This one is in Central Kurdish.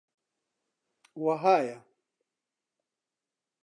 وەهایە: